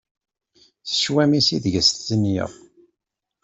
S cwami-s ideg i stenyeɣ.